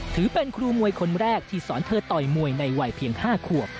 ถือเป็นครูมวยคนแรกที่สอนเธอต่อยมวยในวัยเพียง๕ขวบ